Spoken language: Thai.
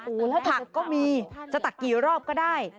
อู๋และถักก็มีจะตักกี่รอบก็ได้